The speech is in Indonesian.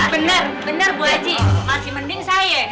bener bener bu aji masih mending saya